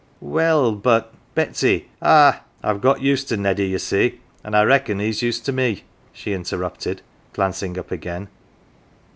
" Well, but, Betsy " Ah, I've got used to Neddy, you see, an' I reckon he's used to me," she interrupted, glancing up again.